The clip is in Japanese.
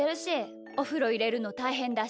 おふろいれるのたいへんだし。